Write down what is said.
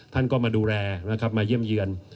ท่านก็มาดูแลนะครับมาเยี่ยมเยือน